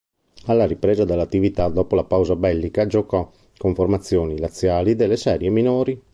Alla ripresa dell'attività dopo la pausa bellica giocò con formazioni laziali delle serie minori.